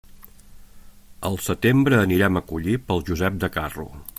Al setembre anirem a collir pel Josep de Carro.